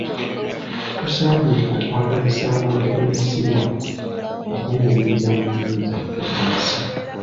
Tusaanye okwagazisa abantu b'ensi yaffe okwenyumiriza mu nnimi zaffe ennansi.